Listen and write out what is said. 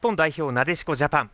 なでしこジャパン。